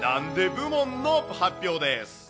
部門の発表です。